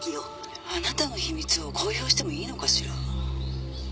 「あなたの秘密を公表してもいいのかしら？」